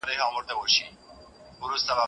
که مجازي صنفونه وي، زده کوونکي نړیوالې ژبې زده کوي.